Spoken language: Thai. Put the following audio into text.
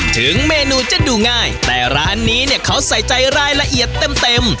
ถึงเมนูจะดูง่ายแต่ร้านนี้เนี่ยเขาใส่ใจรายละเอียดเต็มเต็ม